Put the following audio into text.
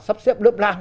sắp xếp lớp lang